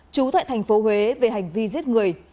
chú thuệ thành phố huế về hành vi giết người